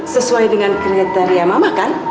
sesuai dengan kriteria mama kan